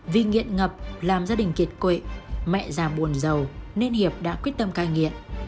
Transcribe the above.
vì nghiện ngập làm gia đình kiệt quệ mẹ già buồn giàu nên hiệp đã quyết tâm cai nghiện